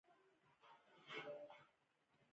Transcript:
هلک په آرامه وويل غوسه مه کوه.